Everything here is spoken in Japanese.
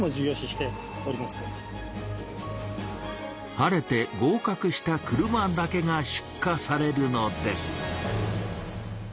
晴れて合かくした車だけが出荷されるのです。